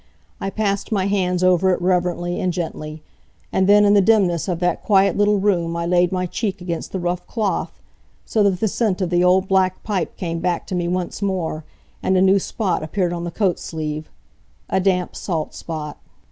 I passed my hands over it reverently and gently, and then, in the dimness of that quiet little room I laid my cheek against the rough cloth, so that the scent of the old black pipe came back to me once more, and a new spot appeared on the coat sleeve a damp, salt spot.